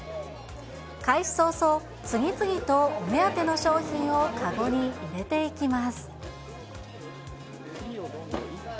開始早々、次々とお目当ての商品を籠に入れていきます。